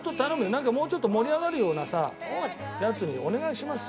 なんかもうちょっと盛り上がるようなさやつお願いしますよ。